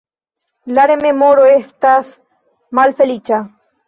La remoro estas malfeliĉa.